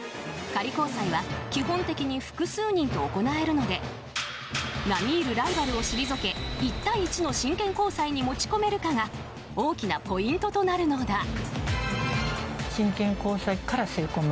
仮交際は基本的に複数人と行えるので並み居るライバルを退け１対１の真剣交際に持ち込めるかが大きなポイントとなるのだ。